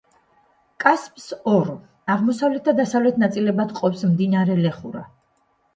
კასპს ორ: აღმოსავლეთ და დასავლეთ ნაწილებად ჰყოფს მდინარე ლეხურა.